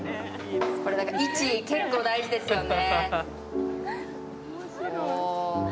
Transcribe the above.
位置、結構大事ですよね。